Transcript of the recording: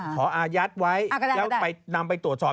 อายัดไว้แล้วไปนำไปตรวจสอบ